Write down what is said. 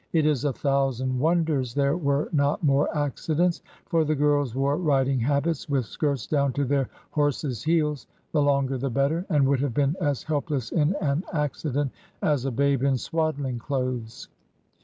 It is a thousand wonders there were not more accidents; for the girls wore riding habits with skirts down to their horses' heels,— the longer the better, —and would have been as helpless in an accident as a babe in swaddling clothes.